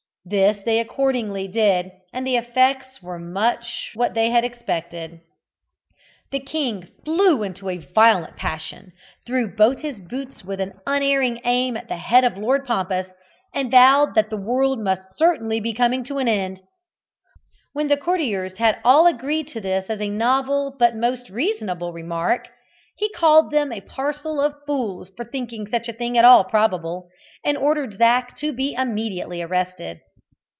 This they accordingly did, and the effects were much what they had expected. The king flew into a violent passion, threw both his boots with an unerring aim at the head of Lord Pompous, and vowed that the world must certainly be coming to an end. When the courtiers had all agreed to this as a novel but most reasonable remark, he called them a parcel of fools for thinking such a thing at all probable, and ordered Zac to be immediately arrested.